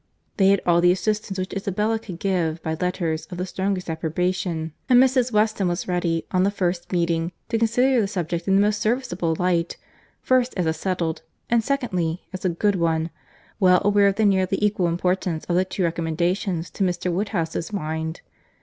—They had all the assistance which Isabella could give, by letters of the strongest approbation; and Mrs. Weston was ready, on the first meeting, to consider the subject in the most serviceable light—first, as a settled, and, secondly, as a good one—well aware of the nearly equal importance of the two recommendations to Mr. Woodhouse's mind.